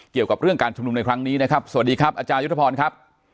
เกี่ยวกับเรื่องการชุมนุมในครั้งนี้นะครับสวัสดีครับอาจารยุทธพรครับ